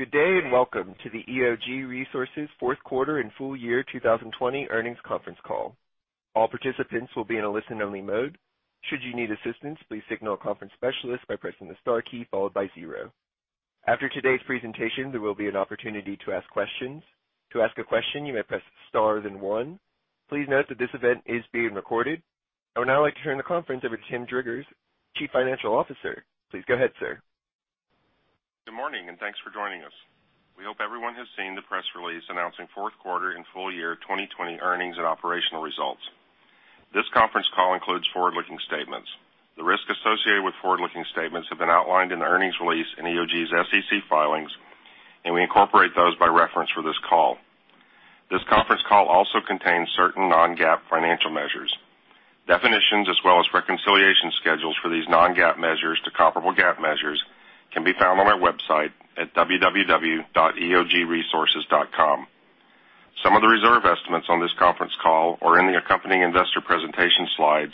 Good day, and welcome to the EOG Resources Q4 and full year 2020 earnings conference call. All participants will be in a listen-only mode. Should you need assistance, please signal a conference specialist by pressing the star key followed by zero. After today's presentation, there will be an opportunity to ask questions. To ask a question, you may press star then one. Please note that this event is being recorded. I would now like to turn the conference over to Tim Driggers, Chief Financial Officer. Please go ahead, sir. Good morning, and thanks for joining us. We hope everyone has seen the press release announcing Q4 and full year 2020 earnings and operational results. This conference call includes forward-looking statements. The risks associated with forward-looking statements have been outlined in the earnings release in EOG Resources' SEC filings, and we incorporate those by reference for this call. This conference call also contains certain non-GAAP financial measures. Definitions as well as reconciliation schedules for these non-GAAP measures to comparable GAAP measures can be found on our website at www.eogresources.com. Some of the reserve estimates on this conference call or in the accompanying investor presentation slides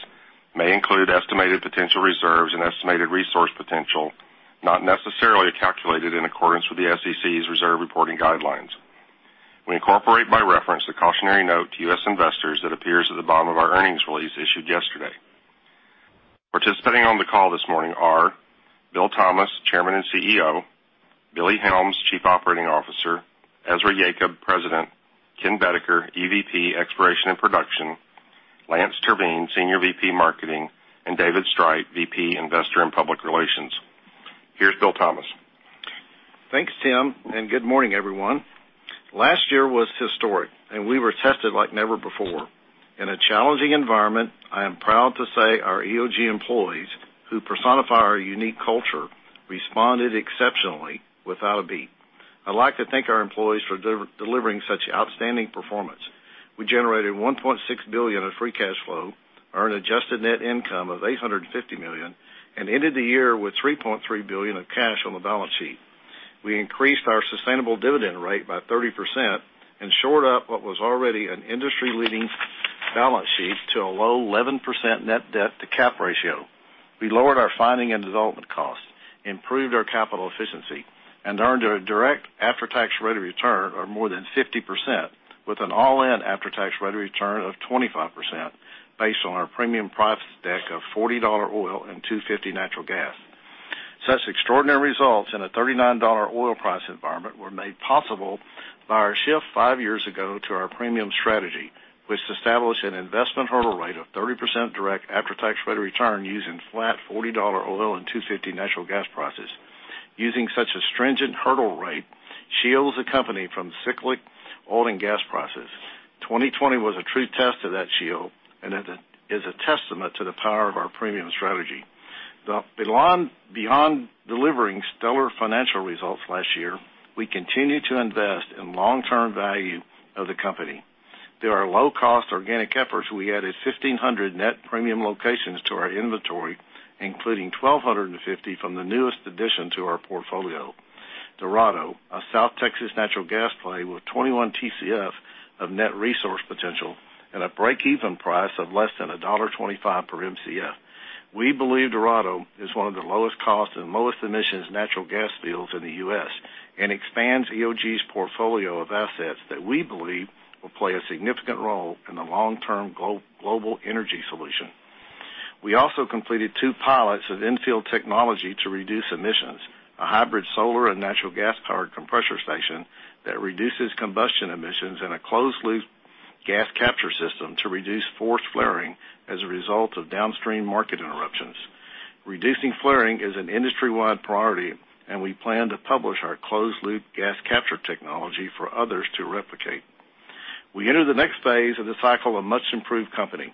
may include estimated potential reserves and estimated resource potential, not necessarily calculated in accordance with the SEC's reserve reporting guidelines. We incorporate by reference a cautionary note to U.S. investors that appears at the bottom of our earnings release issued yesterday. Participating on the call this morning are Bill Thomas, Chairman and CEO, Billy Helms, Chief Operating Officer, Ezra Yacob, President, Ken Boedeker, EVP, Exploration and Production, Lance Terveen, Senior VP, Marketing, and David Streit, VP, Investor and Public Relations. Here's Bill Thomas. Thanks, Tim. Good morning, everyone. Last year was historic, and we were tested like never before. In a challenging environment, I am proud to say our EOG employees, who personify our unique culture, responded exceptionally without a beat. I'd like to thank our employees for delivering such outstanding performance. We generated $1.6 billion of free cash flow, earned adjusted net income of $850 million, and ended the year with $3.3 billion of cash on the balance sheet. We increased our sustainable dividend rate by 30% and shored up what was already an industry-leading balance sheet to a low 11% net debt to capitalization ratio. We lowered our finding and development costs, improved our capital efficiency, and earned a direct after-tax rate of return of more than 50% with an all-in after-tax rate of return of 25% based on our premium price deck of $40 oil and $2.50 natural gas. Such extraordinary results in a $39 oil price environment were made possible by our shift five years ago to our premium strategy, which established an investment hurdle rate of 30% direct after-tax rate of return using flat $40 oil and $2.50 natural gas prices. Using such a stringent hurdle rate shields the company from cyclic oil and gas prices. 2020 was a true test of that shield and is a testament to the power of our premium strategy. Beyond delivering stellar financial results last year, we continue to invest in long-term value of the company. Through our low-cost organic efforts, we added 1,500 net premium locations to our inventory, including 1,250 from the newest addition to our portfolio, Dorado, a South Texas natural gas play with 21 TCF of net resource potential and a break-even price of less than $1.25 per Mcf. We believe Dorado is one of the lowest cost and lowest emissions natural gas fields in the U.S. and expands EOG's portfolio of assets that we believe will play a significant role in the long-term global energy solution. We also completed two pilots of in-field technology to reduce emissions, a hybrid solar and natural gas-powered compressor station that reduces combustion emissions and a closed-loop gas capture system to reduce forced flaring as a result of downstream market interruptions. Reducing flaring is an industry-wide priority, and we plan to publish our closed-loop gas capture technology for others to replicate. We enter the next phase of the cycle a much-improved company.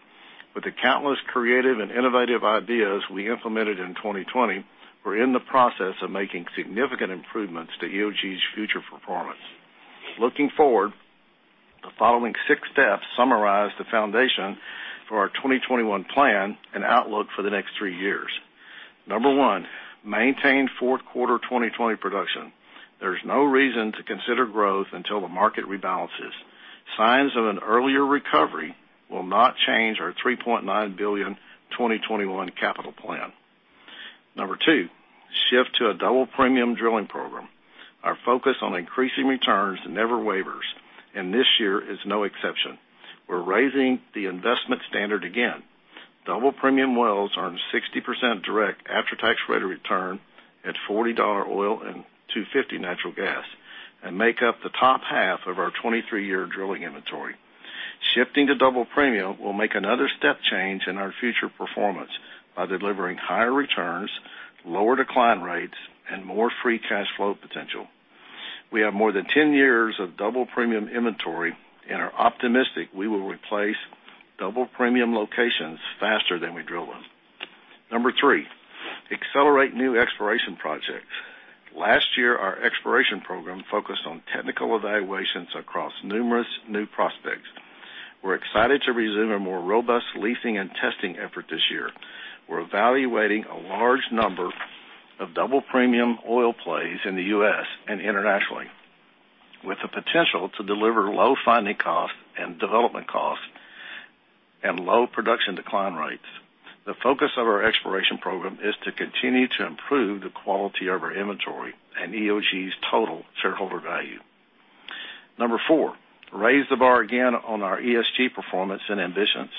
With the countless creative and innovative ideas we implemented in 2020, we're in the process of making significant improvements to EOG's future performance. Looking forward, the following six steps summarize the foundation for our 2021 plan and outlook for the next three years. Number one, maintain Q4 2020 production. There's no reason to consider growth until the market rebalances. Signs of an earlier recovery will not change our $3.9 billion 2021 capital plan. Number two, shift to a double premium drilling program. Our focus on increasing returns never wavers, and this year is no exception. We're raising the investment standard again. Double premium wells earn 60% direct after-tax rate of return at $40 oil and $2.50 natural gas and make up the top half of our 23-year drilling inventory. Shifting to double premium will make another step change in our future performance by delivering higher returns, lower decline rates, and more free cash flow potential. We have more than 10 years of double premium inventory and are optimistic we will replace double premium locations faster than we drill them. Number three, accelerate new exploration projects. Last year, our exploration program focused on technical evaluations across numerous new prospects. We're excited to resume a more robust leasing and testing effort this year. We're evaluating a large number of double premium oil plays in the U.S. and internationally, with the potential to deliver low finding and development costs and low production decline rates. The focus of our exploration program is to continue to improve the quality of our inventory and EOG's total shareholder value. Number four, raise the bar again on our ESG performance and ambitions.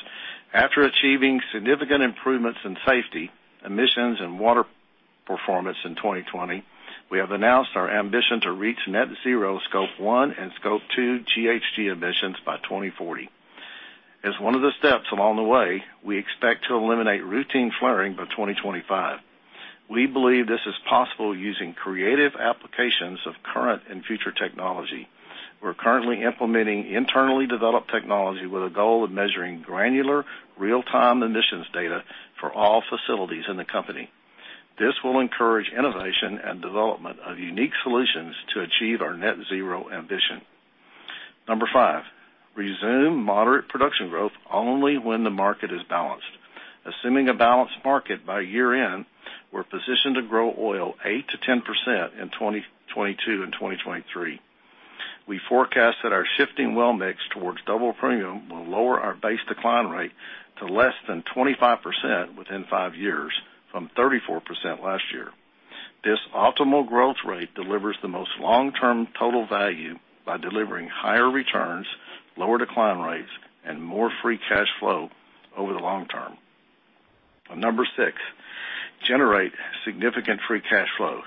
After achieving significant improvements in safety, emissions, and water performance in 2020, we have announced our ambition to reach net zero Scope 1 and Scope 2 GHG emissions by 2040. As one of the steps along the way, we expect to eliminate routine flaring by 2025. We believe this is possible using creative applications of current and future technology. We're currently implementing internally developed technology with a goal of measuring granular real-time emissions data for all facilities in the company. This will encourage innovation and development of unique solutions to achieve our net zero ambition. Number five, resume moderate production growth only when the market is balanced. Assuming a balanced market by year-end, we're positioned to grow oil 8%-10% in 2022 and 2023. We forecast that our shifting well mix towards double premium will lower our base decline rate to less than 25% within five years from 34% last year. This optimal growth rate delivers the most long-term total value by delivering higher returns, lower decline rates, and more free cash flow over the long term. Number six, generate significant free cash flow.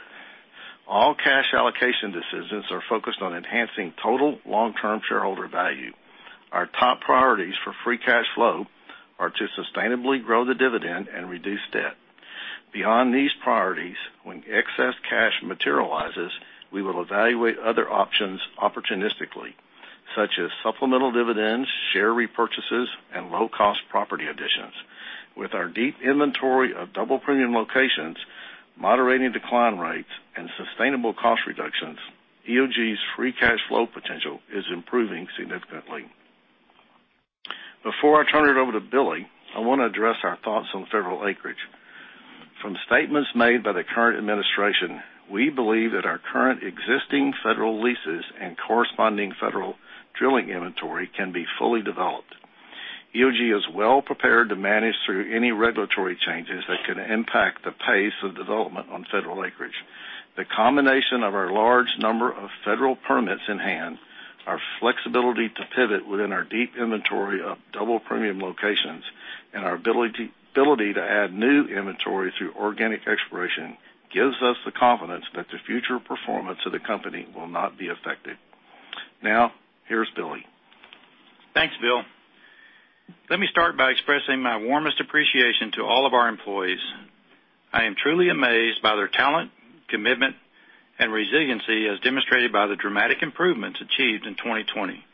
All cash allocation decisions are focused on enhancing total long-term shareholder value. Our top priorities for free cash flow are to sustainably grow the dividend and reduce debt. Beyond these priorities, when excess cash materializes, we will evaluate other options opportunistically, such as supplemental dividends, share repurchases, and low-cost property additions. With our deep inventory of double premium locations, moderating decline rates, and sustainable cost reductions, EOG's free cash flow potential is improving significantly. Before I turn it over to Billy, I want to address our thoughts on federal acreage. From statements made by the current administration, we believe that our current existing federal leases and corresponding federal drilling inventory can be fully developed. EOG is well prepared to manage through any regulatory changes that could impact the pace of development on federal acreage. The combination of our large number of federal permits in hand, our flexibility to pivot within our deep inventory of Double Premium locations, and our ability to add new inventory through organic exploration gives us the confidence that the future performance of the company will not be affected. Now, here's Billy. Thanks, Bill. Let me start by expressing my warmest appreciation to all of our employees. I am truly amazed by their talent, commitment, and resiliency as demonstrated by the dramatic improvements achieved in 2020.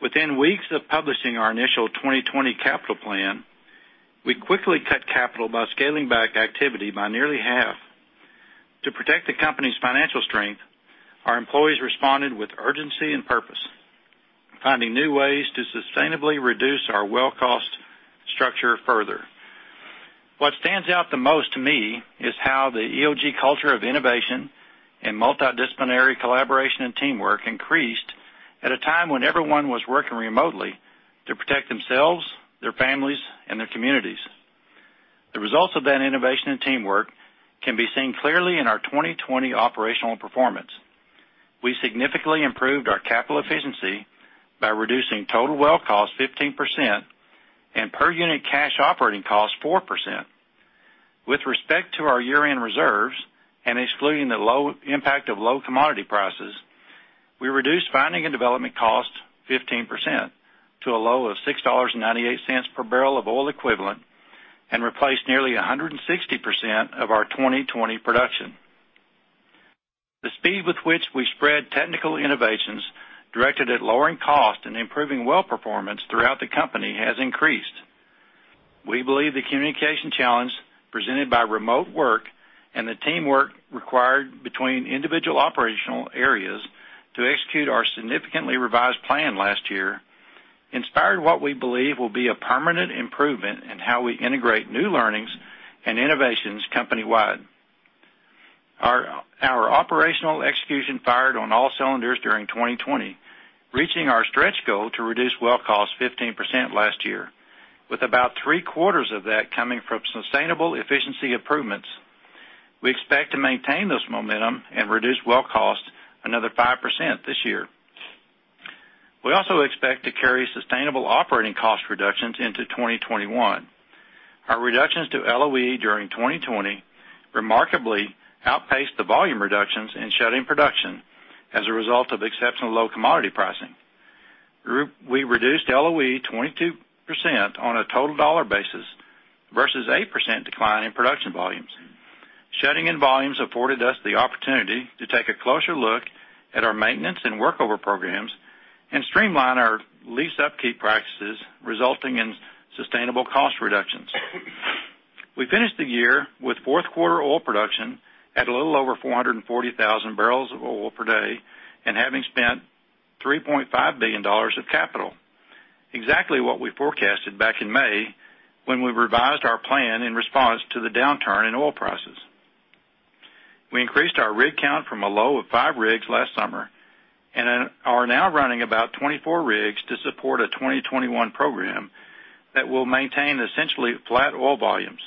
Within weeks of publishing our initial 2020 capital plan, we quickly cut capital by scaling back activity by nearly half. To protect the company's financial strength, our employees responded with urgency and purpose, finding new ways to sustainably reduce our well cost structure further. What stands out the most to me is how the EOG culture of innovation and multidisciplinary collaboration and teamwork increased at a time when everyone was working remotely to protect themselves, their families, and their communities. The results of that innovation and teamwork can be seen clearly in our 2020 operational performance. We significantly improved our capital efficiency by reducing total well cost 15% and per-unit cash operating cost 4%. With respect to our year-end reserves and excluding the impact of low commodity prices, we reduced finding and development costs 15% to a low of $6.98 per barrel of oil equivalent and replaced nearly 160% of our 2020 production. The speed with which we spread technical innovations directed at lowering cost and improving well performance throughout the company has increased. We believe the communication challenge presented by remote work and the teamwork required between individual operational areas to execute our significantly revised plan last year inspired what we believe will be a permanent improvement in how we integrate new learnings and innovations companywide. Our operational execution fired on all cylinders during 2020, reaching our stretch goal to reduce well cost 15% last year, with about three-quarters of that coming from sustainable efficiency improvements. We expect to maintain this momentum and reduce well cost another 5% this year. We also expect to carry sustainable operating cost reductions into 2021. Our reductions to LOE during 2020 remarkably outpaced the volume reductions in shutting production as a result of exceptional low commodity pricing. We reduced LOE 22% on a total dollar basis versus 8% decline in production volumes. Shutting in volumes afforded us the opportunity to take a closer look at our maintenance and workover programs and streamline our lease upkeep practices, resulting in sustainable cost reductions. We finished the year with Q4 oil production at a little over 440,000 bbl of oil per day and having spent $3.5 billion of capital. Exactly what we forecasted back in May when we revised our plan in response to the downturn in oil prices. We increased our rig count from a low of five rigs last summer and are now running about 24 rigs to support a 2021 program that will maintain essentially flat oil volumes.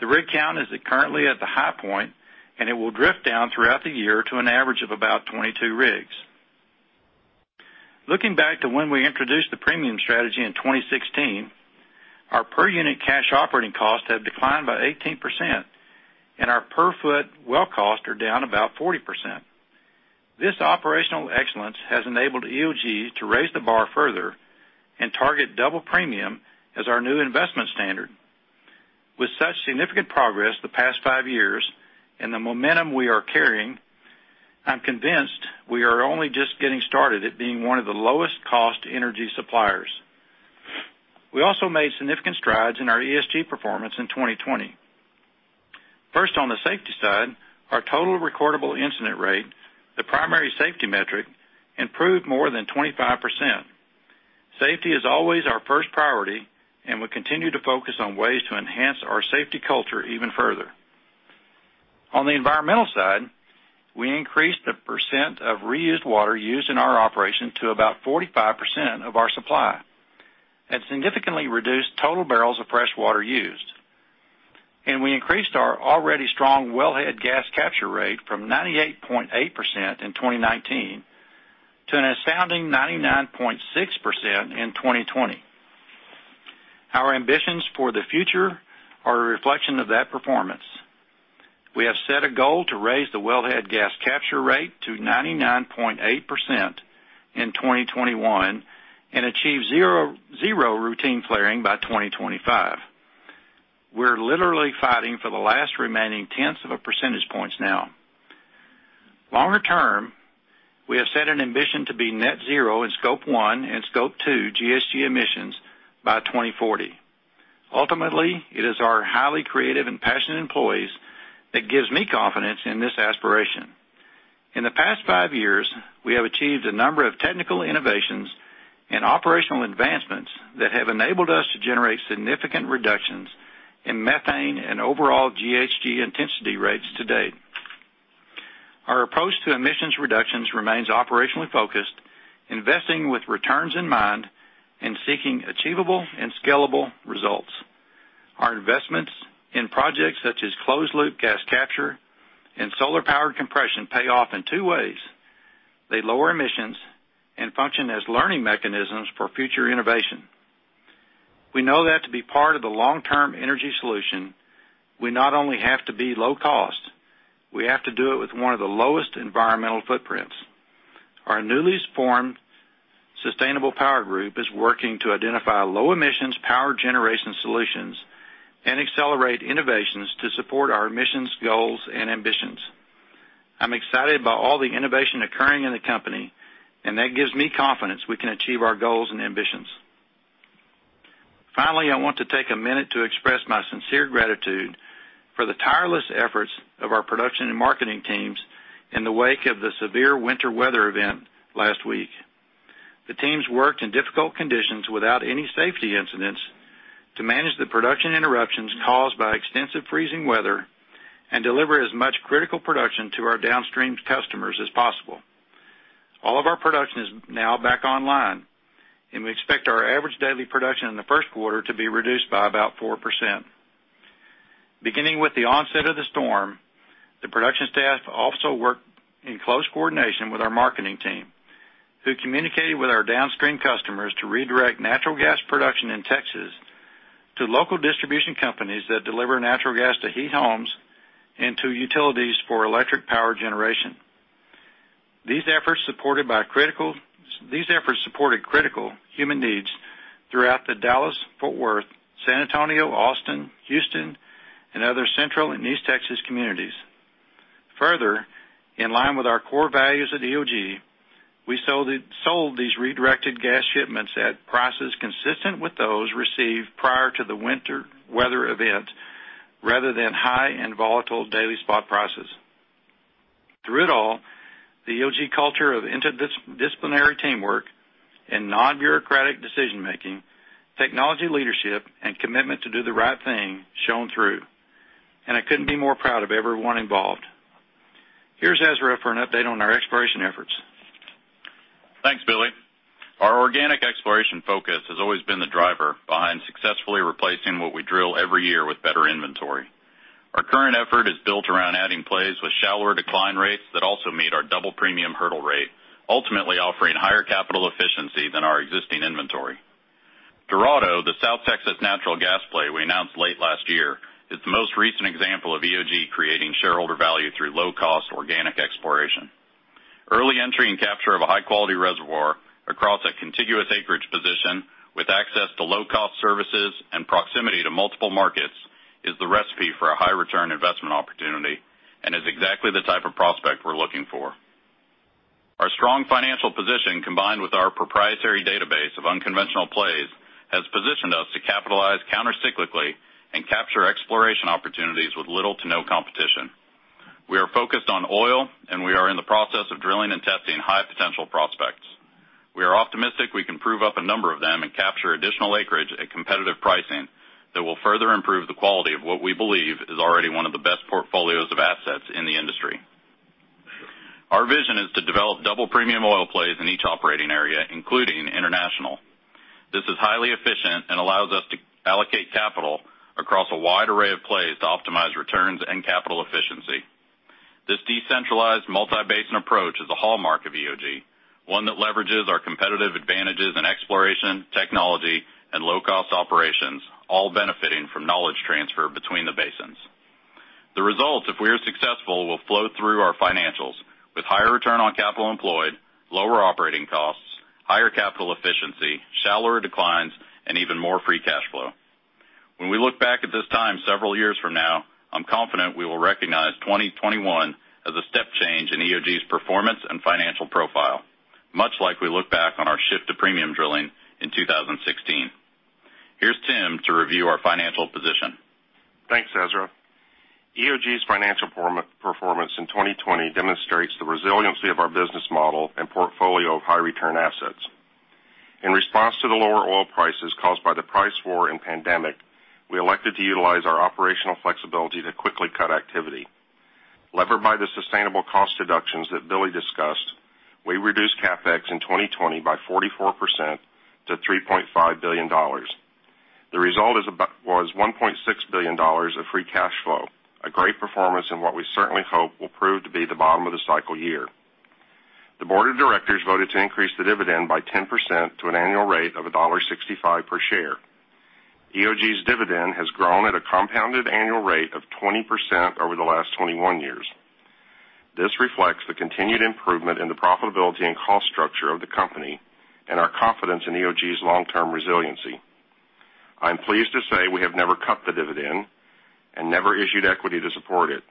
The rig count is currently at the high point, and it will drift down throughout the year to an average of about 22 rigs. Looking back to when we introduced the premium strategy in 2016, our per-unit cash operating costs have declined by 18%, and our per foot well costs are down about 40%. This operational excellence has enabled EOG to raise the bar further and target double premium as our new investment standard. With such significant progress the past five years and the momentum we are carrying, I'm convinced we are only just getting started at being one of the lowest cost energy suppliers. We also made significant strides in our ESG performance in 2020. First, on the safety side, our total recordable incident rate, the primary safety metric, improved more than 25%. Safety is always our first priority, we continue to focus on ways to enhance our safety culture even further. On the environmental side, we increased the percent of reused water used in our operation to about 45% of our supply significantly reduced total barrels of freshwater used. We increased our already strong wellhead gas capture rate from 98.8% in 2019 to an astounding 99.6% in 2020. Our ambitions for the future are a reflection of that performance. We have set a goal to raise the wellhead gas capture rate to 99.8% in 2021 and achieve zero routine flaring by 2025. We're literally fighting for the last remaining tenths of a percentage points now. Longer term, we have set an ambition to be net zero in Scope 1 and Scope 2 GHG emissions by 2040. Ultimately, it is our highly creative and passionate employees that gives me confidence in this aspiration. In the past five years, we have achieved a number of technical innovations and operational advancements that have enabled us to generate significant reductions in methane and overall GHG intensity rates to date. Our approach to emissions reductions remains operationally focused, investing with returns in mind, and seeking achievable and scalable results. Our investments in projects such as closed-loop gas capture and solar-powered compression pay off in two ways. They lower emissions and function as learning mechanisms for future innovation. We know that to be part of the long-term energy solution, we not only have to be low cost, we have to do it with one of the lowest environmental footprints. Our newly formed Sustainable Power Group is working to identify low emissions power generation solutions and accelerate innovations to support our emissions goals and ambitions. I'm excited by all the innovation occurring in the company, and that gives me confidence we can achieve our goals and ambitions. Finally, I want to take a minute to express my sincere gratitude for the tireless efforts of our production and marketing teams in the wake of the severe winter weather event last week. The teams worked in difficult conditions without any safety incidents to manage the production interruptions caused by extensive freezing weather and deliver as much critical production to our downstream customers as possible. All of our production is now back online. We expect our average daily production in the Q1 to be reduced by about 4%. Beginning with the onset of the storm, the production staff also worked in close coordination with our marketing team, who communicated with our downstream customers to redirect natural gas production in Texas to local distribution companies that deliver natural gas to heat homes and to utilities for electric power generation. These efforts supported critical human needs throughout the Dallas-Fort Worth, San Antonio, Austin, Houston, and other Central and East Texas communities. Further, in line with our core values at EOG, we sold these redirected gas shipments at prices consistent with those received prior to the winter weather event rather than high and volatile daily spot prices. Through it all, the EOG culture of interdisciplinary teamwork and non-bureaucratic decision-making, technology leadership, and commitment to do the right thing shone through, and I couldn't be more proud of everyone involved. Here's Ezra for an update on our exploration efforts. Thanks, Billy Helms. Our organic exploration focus has always been the driver behind successfully replacing what we drill every year with better inventory. Our current effort is built around adding plays with shallower decline rates that also meet our double premium hurdle rate, ultimately offering higher capital efficiency than our existing inventory. Dorado, the South Texas natural gas play we announced late last year, is the most recent example of EOG creating shareholder value through low-cost organic exploration. Early entry and capture of a high-quality reservoir across a contiguous acreage position with access to low-cost services and proximity to multiple markets is the recipe for a high-return investment opportunity and is exactly the type of prospect we're looking for. Our strong financial position, combined with our proprietary database of unconventional plays, has positioned us to capitalize countercyclically and capture exploration opportunities with little to no competition. We are focused on oil. Optimistic we can prove up a number of them and capture additional acreage at competitive pricing that will further improve the quality of what we believe is already one of the best portfolios of assets in the industry. Our vision is to develop double premium oil plays in each operating area, including international. This is highly efficient and allows us to allocate capital across a wide array of plays to optimize returns and capital efficiency. This decentralized multi-basin approach is a hallmark of EOG, one that leverages our competitive advantages in exploration, technology, and low-cost operations, all benefiting from knowledge transfer between the basins. The results, if we are successful, will flow through our financials with higher return on capital employed, lower operating costs, higher capital efficiency, shallower declines, and even more free cash flow. When we look back at this time several years from now, I'm confident we will recognize 2021 as a step change in EOG's performance and financial profile, much like we look back on our shift to premium drilling in 2016. Here's Tim to review our financial position. Thanks, Ezra. EOG's financial performance in 2020 demonstrates the resiliency of our business model and portfolio of high-return assets. In response to the lower oil prices caused by the price war and pandemic, we elected to utilize our operational flexibility to quickly cut activity. Levered by the sustainable cost reductions that Billy discussed, we reduced CapEx in 2020 by 44% to $3.5 billion. The result was $1.6 billion of free cash flow, a great performance in what we certainly hope will prove to be the bottom of the cycle year. The board of directors voted to increase the dividend by 10% to an annual rate of $1.65 per share. EOG's dividend has grown at a compounded annual rate of 20% over the last 21 years. This reflects the continued improvement in the profitability and cost structure of the company and our confidence in EOG's long-term resiliency. I'm pleased to say we have never cut the dividend and never issued equity to support it.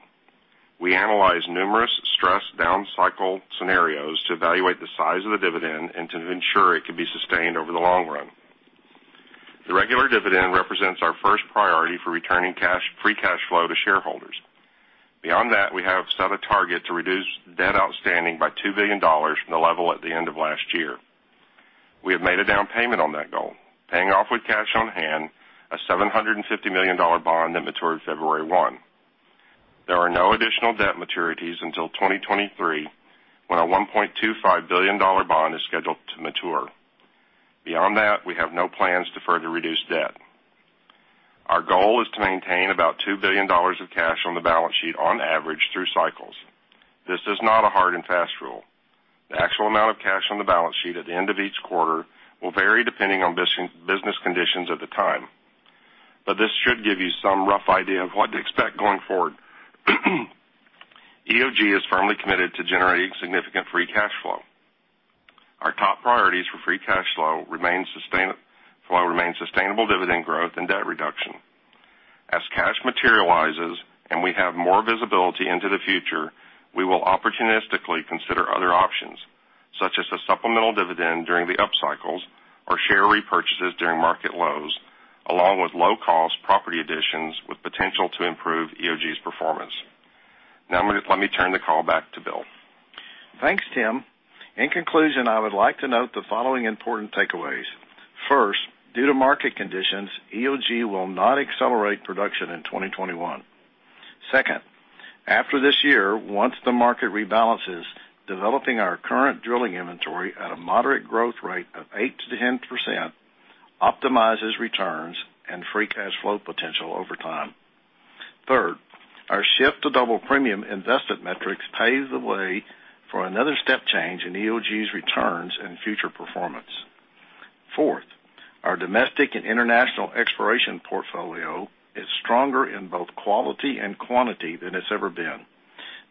We analyzed numerous stress down cycle scenarios to evaluate the size of the dividend and to ensure it can be sustained over the long run. The regular dividend represents our first priority for returning free cash flow to shareholders. Beyond that, we have set a target to reduce debt outstanding by $2 billion from the level at the end of last year. We have made a down payment on that goal, paying off with cash on hand, a $750 million bond that matured February 1. There are no additional debt maturities until 2023, when a $1.25 billion bond is scheduled to mature. Beyond that, we have no plans to further reduce debt. Our goal is to maintain about $2 billion of cash on the balance sheet on average through cycles. This is not a hard and fast rule. The actual amount of cash on the balance sheet at the end of each quarter will vary depending on business conditions at the time. This should give you some rough idea of what to expect going forward. EOG is firmly committed to generating significant free cash flow. Our top priorities for free cash flow remain sustainable dividend growth and debt reduction. As cash materializes and we have more visibility into the future, we will opportunistically consider other options, such as a supplemental dividend during the up cycles or share repurchases during market lows, along with low-cost property additions with potential to improve EOG's performance. Now, let me turn the call back to Bill. Thanks, Tim. In conclusion, I would like to note the following important takeaways. First, due to market conditions, EOG will not accelerate production in 2021. Second, after this year, once the market rebalances, developing our current drilling inventory at a moderate growth rate of 8%-10% optimizes returns and free cash flow potential over time. Third, our shift to double premium investment metrics paves the way for another step change in EOG's returns and future performance. Fourth, our domestic and international exploration portfolio is stronger in both quality and quantity than it's ever been.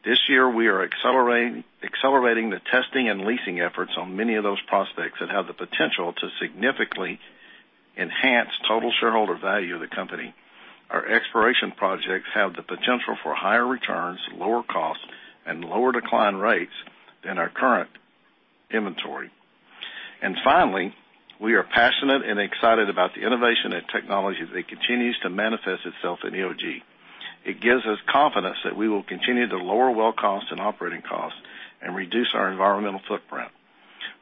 This year, we are accelerating the testing and leasing efforts on many of those prospects that have the potential to significantly enhance total shareholder value of the company. Our exploration projects have the potential for higher returns, lower costs, and lower decline rates than our current inventory. Finally, we are passionate and excited about the innovation and technology that continues to manifest itself in EOG. It gives us confidence that we will continue to lower well cost and operating costs and reduce our environmental footprint.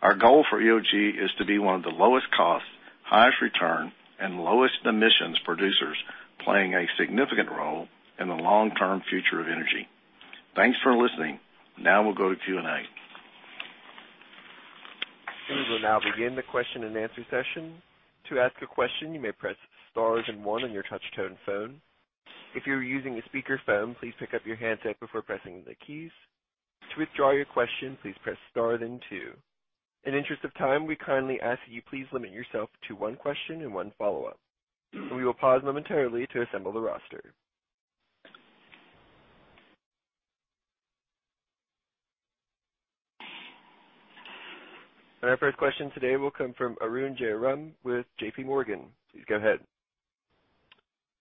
Our goal for EOG is to be one of the lowest cost, highest return, and lowest emissions producers, playing a significant role in the long-term future of energy. Thanks for listening. Now we'll go to Q&A. We will now begin the question and answer session. To ask a question, you may press star then one on your touch-tone phone. If you're using a speakerphone, please pick up your handset before pressing the keys. To withdraw your question, please press star then two. In the interest of time, we kindly ask that you please limit yourself to one question and one follow-up. We will pause momentarily to assemble the roster. Our first question today will come from Arun Jayaram with JPMorgan. Please go ahead.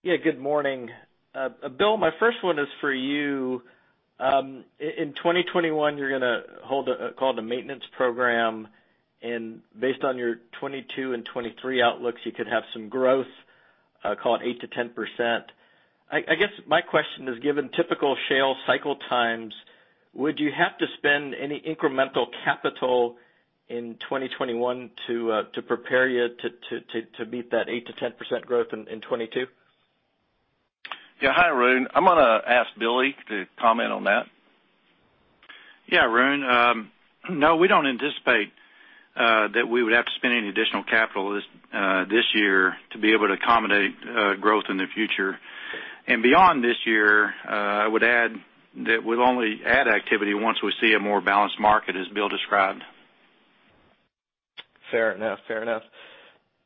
Yeah, good morning. Bill, my first one is for you. In 2021, you're gonna hold a maintenance program, and based on your 2022 and 2023 outlooks, you could have some growth. I call it 8%-10%. I guess my question is, given typical shale cycle times, would you have to spend any incremental capital in 2021 to prepare you to beat that 8%-10% growth in 2022? Yeah. Hi, Arun. I'm going to ask Billy to comment on that. Yeah, Arun. We don't anticipate that we would have to spend any additional capital this year to be able to accommodate growth in the future. Beyond this year, I would add that we'll only add activity once we see a more balanced market, as Bill described. Fair enough.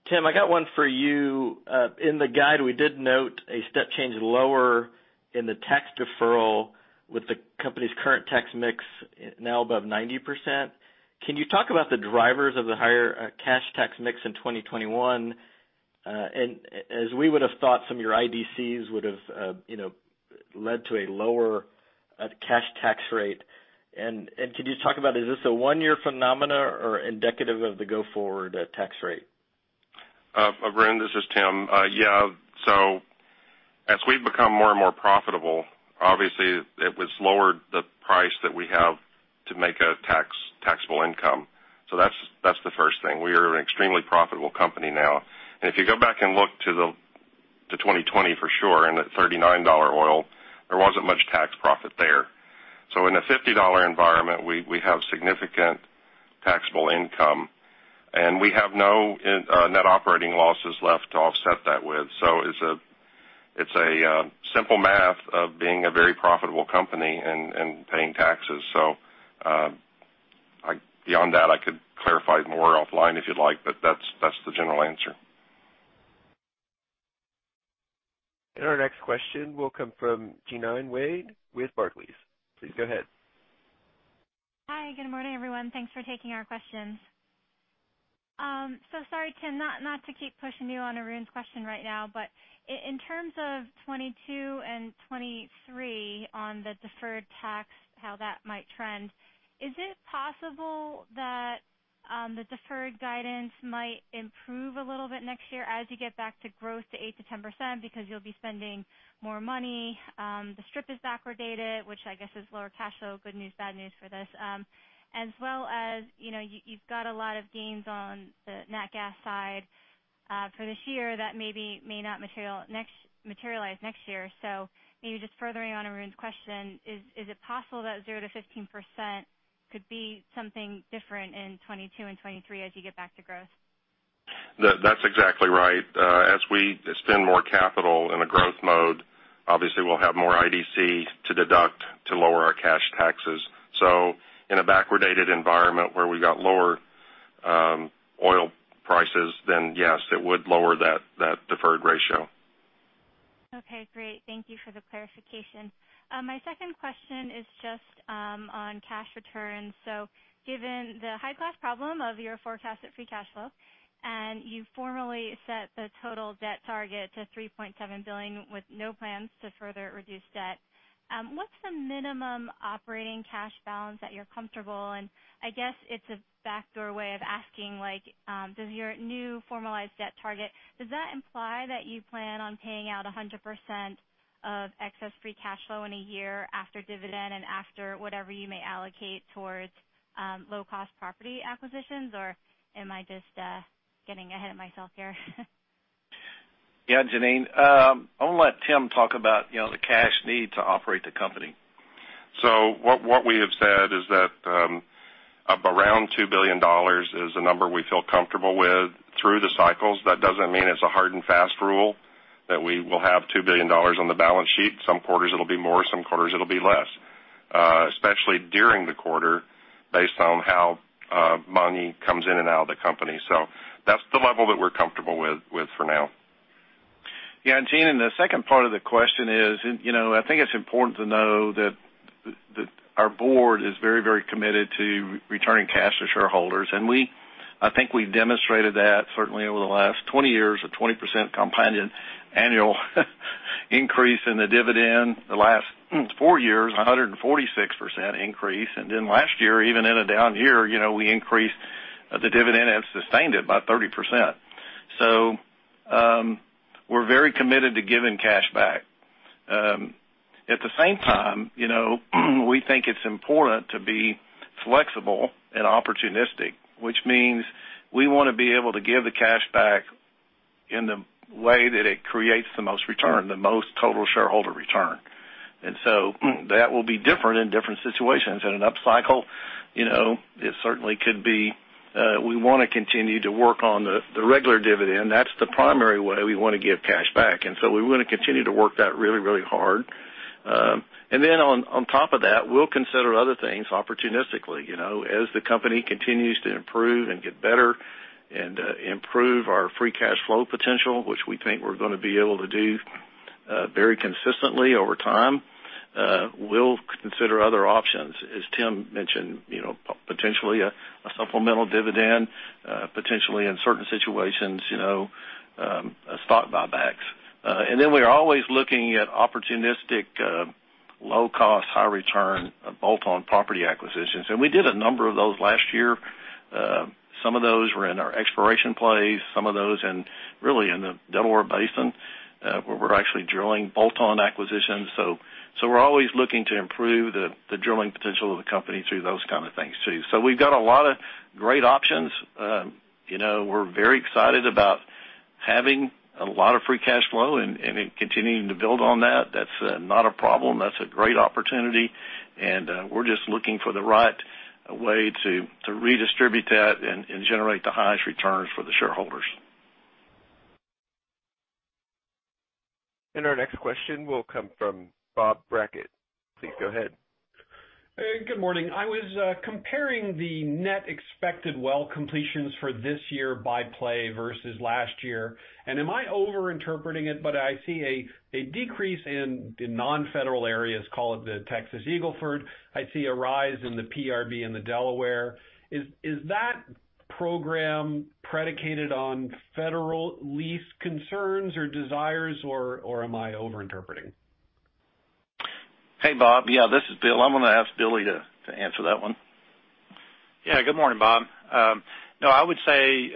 Tim, I got one for you. In the guide, we did note a step change lower in the tax deferral with the company's current tax mix now above 90%. Can you talk about the drivers of the higher cash tax mix in 2021? As we would've thought, some of your IDCs would've led to a lower cash tax rate. Could you talk about, is this a one-year phenomena or indicative of the go-forward tax rate? Arun, this is Tim. Yeah. As we've become more and more profitable, obviously it was lower the price that we have to make a taxable income. We are an extremely profitable company now. If you go back and look to 2020 for sure, and at $39 oil, there wasn't much tax profit there. In a $50 environment, we have significant taxable income, and we have no net operating losses left to offset that with. It's a simple math of being a very profitable company and paying taxes. Beyond that, I could clarify it more offline if you'd like, but that's the general answer. Our next question will come from Jeanine Wai with Barclays. Please go ahead. Hi. Good morning, everyone. Thanks for taking our questions. Sorry, Tim, not to keep pushing you on Arun's question right now, but in terms of 2022 and 2023 on the deferred tax, how that might trend, is it possible that the deferred guidance might improve a little bit next year as you get back to growth to 8%-10% because you'll be spending more money? The strip is backwardated, which I guess is lower cash flow, good news, bad news for this. You've got a lot of gains on the nat gas side for this year that maybe may not materialize next year. Maybe just furthering on Arun's question, is it possible that 0%-15% could be something different in 2022 and 2023 as you get back to growth? That's exactly right. As we spend more capital in a growth mode, obviously we'll have more IDC to deduct to lower our cash taxes. In a backward dated environment where we got lower oil prices, yes, it would lower that deferred ratio. Okay, great. Thank you for the clarification. My second question is just on cash returns. Given the high-class problem of your forecasted free cash flow, and you formally set the total debt target to $3.7 billion with no plans to further reduce debt, what's the minimum operating cash balance that you're comfortable? I guess it's a backdoor way of asking, does your new formalized debt target, does that imply that you plan on paying out 100% of excess free cash flow in a year after dividend and after whatever you may allocate towards low-cost property acquisitions? Am I just getting ahead of myself here? Jeanine. I'm going to let Tim talk about the cash need to operate the company. What we have said is that up around $2 billion is the number we feel comfortable with through the cycles. That doesn't mean it's a hard and fast rule that we will have $2 billion on the balance sheet. Some quarters it'll be more, some quarters it'll be less, especially during the quarter based on how money comes in and out of the company. That's the level that we're comfortable with for now. Yeah. Jeanine, the second part of the question is, I think it's important to know that our Board is very committed to returning cash to shareholders, and I think we've demonstrated that certainly over the last 20 years, a 20% compounded annual increase in the dividend the last four years, 146% increase. Last year, even in a down year, we increased the dividend and sustained it by 30%. We're very committed to giving cash back. At the same time, we think it's important to be flexible and opportunistic, which means we want to be able to give the cash back in the way that it creates the most return, the most total shareholder return. That will be different in different situations. In an upcycle, it certainly could be we want to continue to work on the regular dividend. That's the primary way we want to give cash back. We want to continue to work that really hard. On top of that, we'll consider other things opportunistically. As the company continues to improve and get better, and improve our free cash flow potential, which we think we're going to be able to do very consistently over time, we'll consider other options, as Tim mentioned, potentially a supplemental dividend, potentially in certain situations, stock buybacks. We are always looking at opportunistic, low-cost, high return bolt-on property acquisitions. We did a number of those last year. Some of those were in our exploration plays, some of those really in the Delaware Basin, where we're actually drilling bolt-on acquisitions. We're always looking to improve the drilling potential of the company through those kind of things too. We've got a lot of great options. We're very excited about having a lot of free cash flow and continuing to build on that. That's not a problem. That's a great opportunity, and we're just looking for the right way to redistribute that and generate the highest returns for the shareholders. Our next question will come from Bob Brackett. Please go ahead. Hey, good morning. I was comparing the net expected well completions for this year by play versus last year. Am I over-interpreting it, but I see a decrease in non-federal areas, call it the Texas Eagle Ford. I see a rise in the PRB and the Delaware. Is that program predicated on federal lease concerns or desires, or am I over-interpreting? Hey, Bob. Yeah, this is Bill. I'm going to ask Billy to answer that one. Yeah. Good morning, Bob. No, I would say,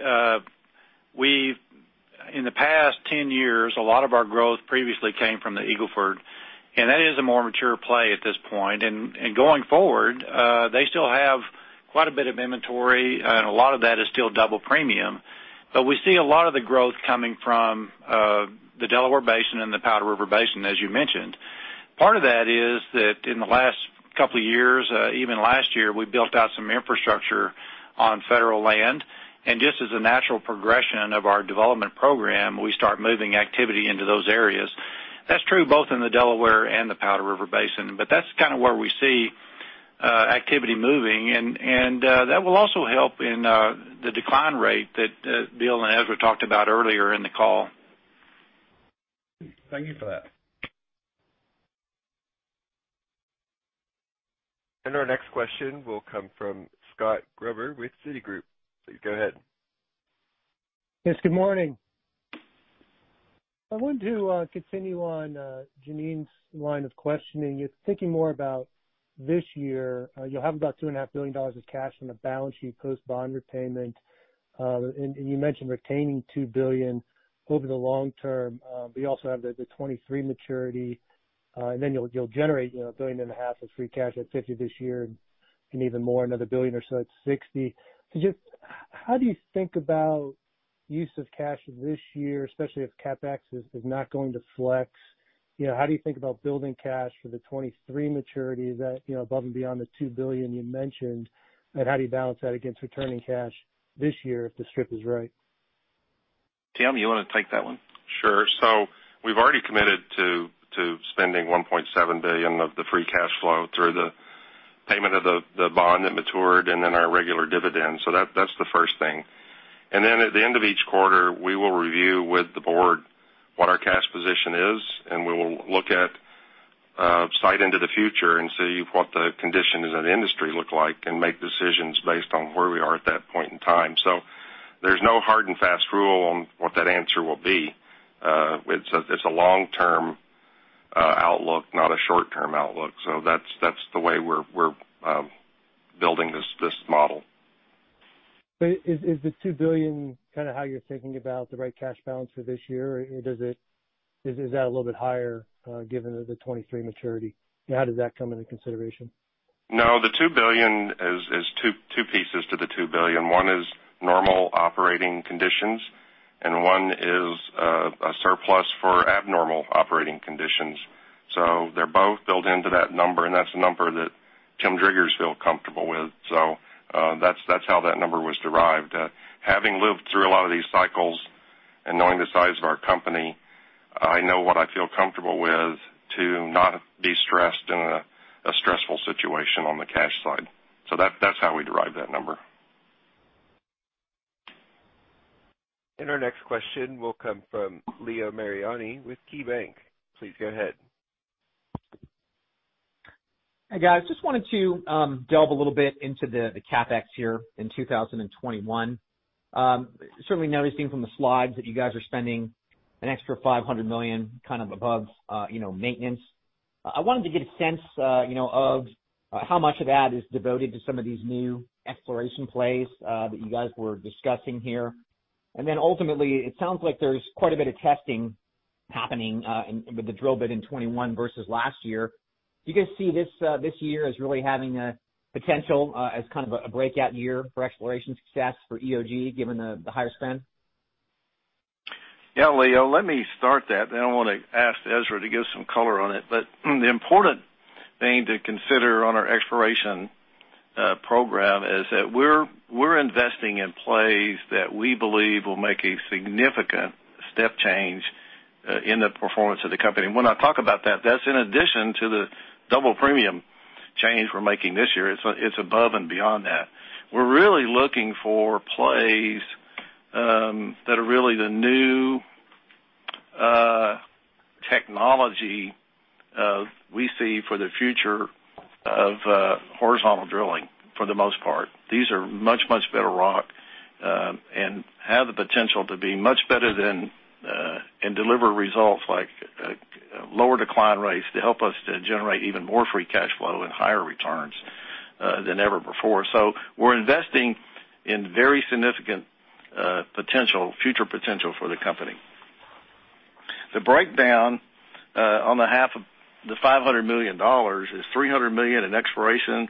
in the past 10 years, a lot of our growth previously came from the Eagle Ford, and that is a more mature play at this point. Going forward, they still have quite a bit of inventory, and a lot of that is still double premium. We see a lot of the growth coming from the Delaware Basin and the Powder River Basin, as you mentioned. Part of that is that in the last couple of years, even last year, we built out some infrastructure on federal land, and just as a natural progression of our development program, we start moving activity into those areas. That's true both in the Delaware and the Powder River Basin. That's kind of where we see activity moving, and that will also help in the decline rate that Bill and Ezra talked about earlier in the call. Thank you for that. Our next question will come from Scott Gruber with Citigroup. Please go ahead. Yes, good morning. I wanted to continue on Jeanine's line of questioning. Thinking more about this year, you'll have about $2.5 billion of cash on the balance sheet post bond repayment. You mentioned retaining $2 billion over the long term, but you also have the 2023 maturity, you'll generate $1.5 billion of free cash at $50 this year and even more, another $1 billion or so at $60. Just how do you think about use of cash this year, especially if CapEx is not going to flex? How do you think about building cash for the 2023 maturity above and beyond the $2 billion you mentioned? How do you balance that against returning cash this year if the strip is right? Tim Driggers, you want to take that one? Sure. We've already committed to spending $1.7 billion of the free cash flow through the payment of the bond that matured and then our regular dividend. That's the first thing. At the end of each quarter, we will review with the board what our cash position is, and we will look at a sight into the future and see what the conditions in the industry look like and make decisions based on where we are at that point in time. There's no hard and fast rule on what that answer will be. It's a long-term outlook, not a short-term outlook. That's the way we're building this model. Is the $2 billion kind of how you're thinking about the right cash balance for this year? Or is that a little bit higher, given the 2023 maturity? How does that come into consideration? No. There's two pieces to the $2 billion. One is normal operating conditions, and one is a surplus for abnormal operating conditions. They're both built into that number, and that's the number that Tim Driggers feel comfortable with. That's how that number was derived. Having lived through a lot of these cycles and knowing the size of our company, I know what I feel comfortable with to not be stressed in a stressful situation on the cash side. That's how we derive that number. Our next question will come from Leo Mariani with KeyBanc. Please go ahead. Hey, guys. Just wanted to delve a little bit into the CapEx here in 2021. Certainly noticing from the slides that you guys are spending an extra $500 million above maintenance. I wanted to get a sense of how much of that is devoted to some of these new exploration plays that you guys were discussing here. Ultimately, it sounds like there's quite a bit of testing happening with the drill bit in 2021 versus last year. Do you guys see this year as really having a potential as kind of a breakout year for exploration success for EOG, given the higher spend? Yeah, Leo, let me start that, then I want to ask Ezra to give some color on it. The important thing to consider on our exploration program is that we're investing in plays that we believe will make a significant step change in the performance of the company. When I talk about that's in addition to the double premium change we're making this year. It's above and beyond that. We're really looking for plays that are really the new technology we see for the future of horizontal drilling, for the most part. These are much, much better rock and have the potential to be much better than, and deliver results like lower decline rates to help us to generate even more free cash flow and higher returns than ever before. We're investing in very significant future potential for the company. The breakdown on the half of the $500 million is $300 million in exploration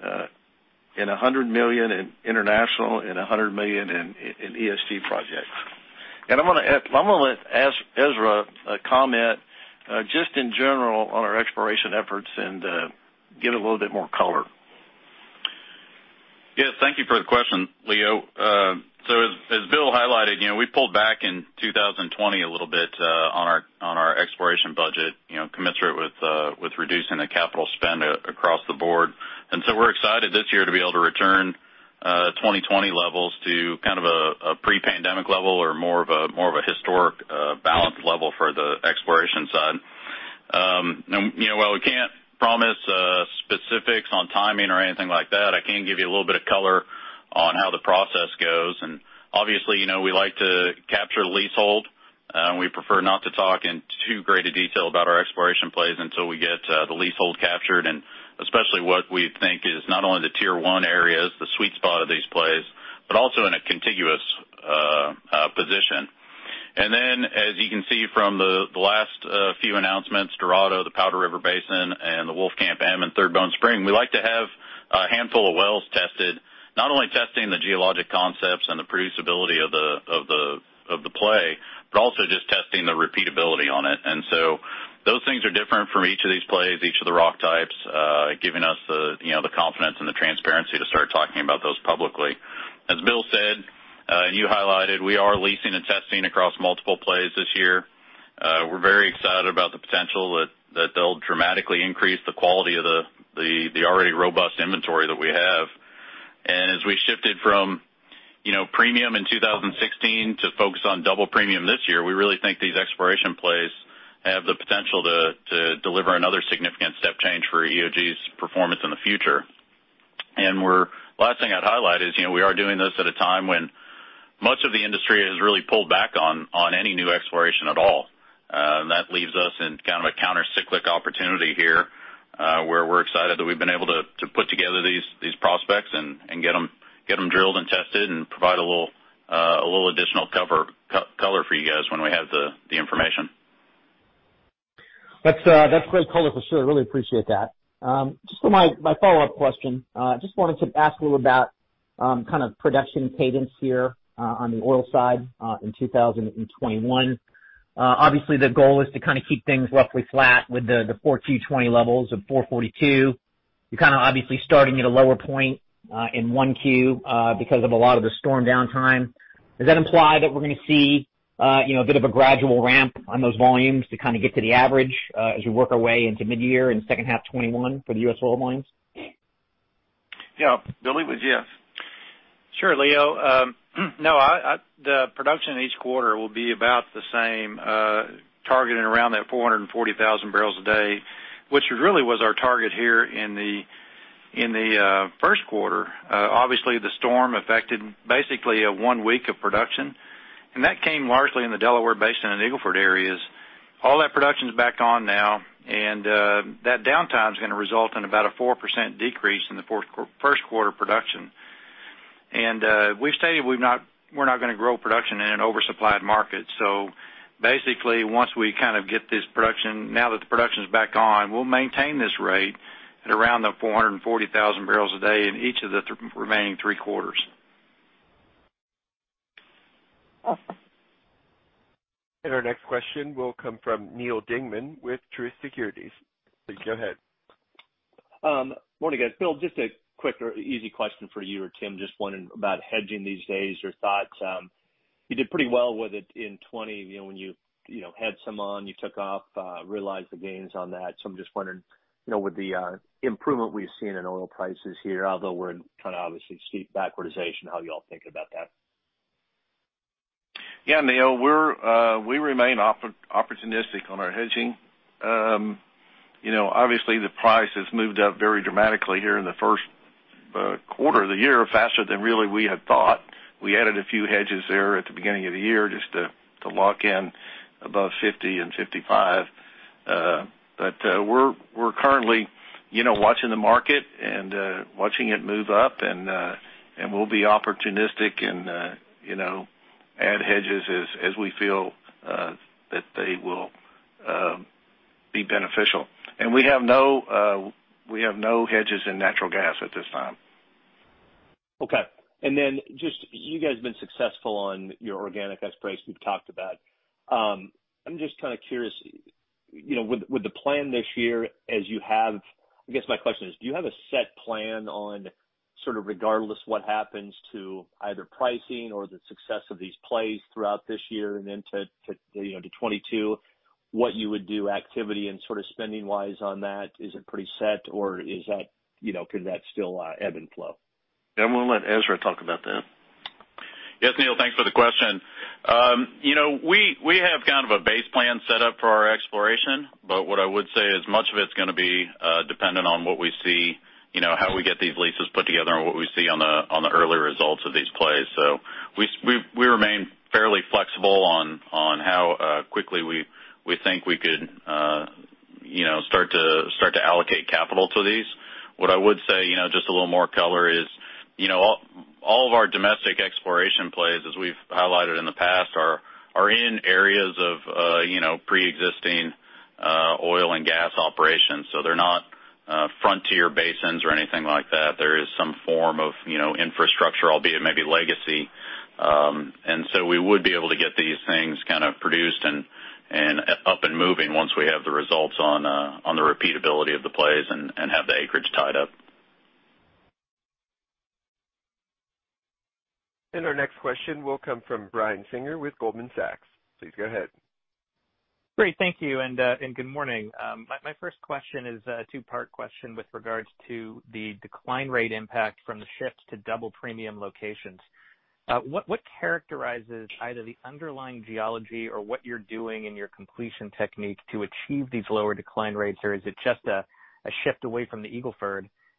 and $100 million in international and $100 million in ESG projects. I'm going to let Ezra comment just in general on our exploration efforts and give it a little bit more color. Yes, thank you for the question, Leo. As Bill highlighted, we pulled back in 2020 a little bit on our exploration budget, commensurate with reducing the capital spend across the board. We're excited this year to be able to return 2020 levels to kind of a pre-pandemic level or more of a historic balanced level for the exploration side. While we can't promise specifics on timing or anything like that, I can give you a little bit of color on how the process goes. Obviously, we like to capture leasehold. We prefer not to talk in too great a detail about our exploration plays until we get the leasehold captured, and especially what we think is not only the tier 1 areas, the sweet spot of these plays, but also in a contiguous position. As you can see from the last few announcements, Dorado, the Powder River Basin, and the Wolfcamp A and Third Bone Spring, we like to have a handful of wells tested, not only testing the geologic concepts and the producibility of the play, but also just testing the repeatability on it. Those things are different from each of these plays, each of the rock types, giving us the confidence and the transparency to start talking about those publicly. As Bill Thomas said, and you highlighted, we are leasing and testing across multiple plays this year. We're very excited about the potential that they'll dramatically increase the quality of the already robust inventory that we have. As we shifted from premium in 2016 to focus on double premium this year, we really think these exploration plays have the potential to deliver another significant step change for EOG's performance in the future. Last thing I'd highlight is we are doing this at a time when most of the industry has really pulled back on any new exploration at all. That leaves us in kind of a counter-cyclical opportunity here, where we're excited that we've been able to put together these prospects and get them drilled and tested and provide a little additional color for you guys when we have the information. That's great color for sure. Really appreciate that. Just for my follow-up question, just wanted to ask a little about kind of production cadence here on the oil side in 2021. Obviously, the goal is to kind of keep things roughly flat with the Q4 2020 levels of 442. You're kind of obviously starting at a lower point in Q1 because of a lot of the storm downtime. Does that imply that we're going to see a bit of a gradual ramp on those volumes to kind of get to the average as we work our way into mid-year and second half 2021 for the U.S. oil volumes? Yeah. Billy, would you? Sure, Leo. No, the production each quarter will be about the same, targeting around that 440,000 bpd, which really was our target here in the Q1. Obviously, the storm affected basically one week of production, and that came largely in the Delaware Basin and Eagle Ford areas. All that production's back on now, and that downtime's going to result in about a 4% decrease in Q1 production. We've stated we're not going to grow production in an oversupplied market. Basically, once we kind of get this production, now that the production's back on, we'll maintain this rate at around the 440,000 bpd in each of the remaining three quarters. Our next question will come from Neal Dingmann with Truist Securities. Please go ahead. Morning, guys. Bill, just a quick or easy question for you or Tim, just wondering about hedging these days, your thoughts. You did pretty well with it in 2020. When you had some on, you took off, realized the gains on that. I'm just wondering with the improvement we've seen in oil prices here, although we're kind of obviously seeing backwardation, how you all think about that. Yeah, Neal, we remain opportunistic on our hedging. Obviously, the price has moved up very dramatically here in Q1 of the year, faster than really we had thought. We added a few hedges there at the beginning of the year just to lock in above 50 and 55. We're currently watching the market and watching it move up, and we'll be opportunistic and add hedges as we feel that they will be beneficial. We have no hedges in natural gas at this time. Okay. Just you guys have been successful on your organic exploration you've talked about. I'm just kind of curious, with the plan this year. I guess my question is, do you have a set plan on sort of regardless what happens to either pricing or the success of these plays throughout this year and then to 2022, what you would do activity and sort of spending-wise on that? Is it pretty set or could that still ebb and flow? Yeah, I'm going to let Ezra talk about that. Yes, Neal, thanks for the question. We have kind of a base plan set up for our exploration. What I would say is much of it's going to be dependent on what we see, how we get these leases put together, and what we see on the early results of these plays. We remain fairly flexible on how quickly we think we could start to allocate capital to these. What I would say, just a little more color, is all of our domestic exploration plays, as we've highlighted in the past, are in areas of preexisting oil and gas operations. They're not frontier basins or anything like that. There is some form of infrastructure, albeit maybe legacy. We would be able to get these things kind of produced and up and moving once we have the results on the repeatability of the plays and have the acreage tied up. Our next question will come from Brian Singer with Goldman Sachs. Please go ahead. Great. Thank you, and good morning. My first question is a two-part question with regards to the decline rate impact from the shift to double premium locations. What characterizes either the underlying geology or what you're doing in your completion technique to achieve these lower decline rates, or is it just a shift away from the Eagle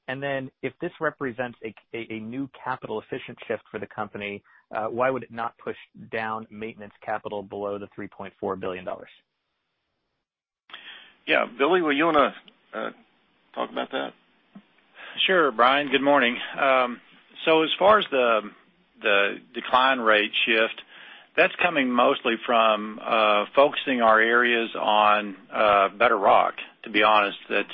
Ford? If this represents a new capital efficient shift for the company, why would it not push down maintenance capital below the $3.4 billion? Yeah. Billy, you want to talk about that? Sure. Brian, good morning. As far as the decline rate shift, that's coming mostly from focusing our areas on better rock, to be honest. That